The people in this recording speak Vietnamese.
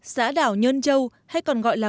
xã đảo nhân châu hay còn gọi là